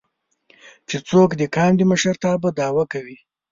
چې څوک د قام د مشرتابه دعوه کوي